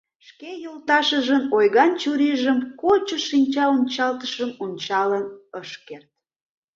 Шке йолташыжын ойган чурийжым, кочо шинчаончалтышыжым ончалын ыш керт.